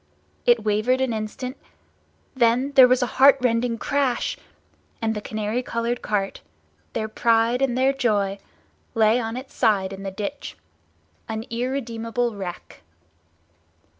It wavered an instant—then there was a heartrending crash—and the canary coloured cart, their pride and their joy, lay on its side in the ditch, an irredeemable wreck.